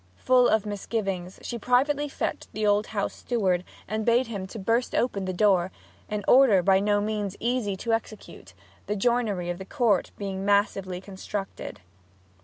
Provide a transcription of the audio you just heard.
Full of misgivings, she privately fetched the old house steward and bade him burst open the door an order by no means easy to execute, the joinery of the Court being massively constructed.